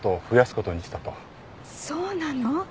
そうなの？